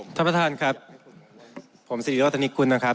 ท่านประธานครับผมสิริโรธนิกุลนะครับ